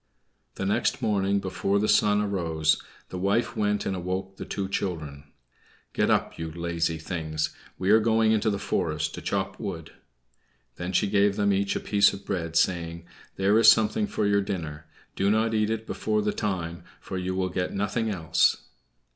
The next morning, before the sun arose, the wife went and awoke the two children. "Get up, you lazy things; we are going into the forest to chop wood." Then she gave them each a piece of bread, saying, "There is something for your dinner; do not eat it before the time, for you will get nothing else."